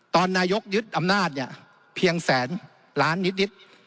ตอนนายกยึดอำนาจเพียงแสนล้านนิด